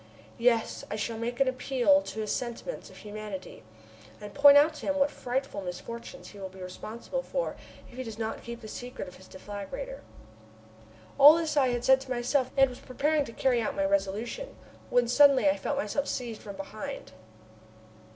Yes, I will make an appeal to his sentiments of humanity, and point out to him what frightful misfortunes he will be responsible for if he does not keep the secret of his deflagrator." All this I had said to myself, and was preparing to carry out my resolution, when I suddenly felt myself seized from behind.